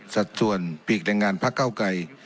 สัดส่วนปีกแรงงานพระเก้าไกร